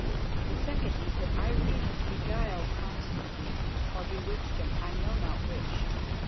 The second is that Irene has beguiled Constantine, or bewitched him, I know not which.